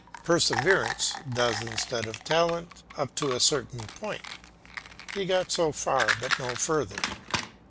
Perseverance does instead of talent up to a certain point; he got so far, but no further.